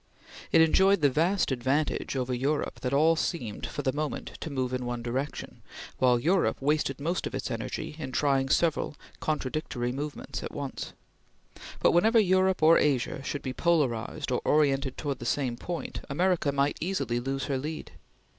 It enjoyed the vast advantage over Europe that all seemed, for the moment, to move in one direction, while Europe wasted most of its energy in trying several contradictory movements at once; but whenever Europe or Asia should be polarized or oriented towards the same point, America might easily lose her lead.